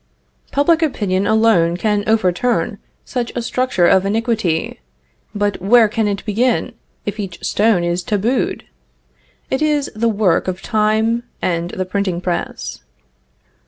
Public opinion alone can overturn such a structure of iniquity; but where can it begin, if each stone is tabooed? It is the work of time and the printing press.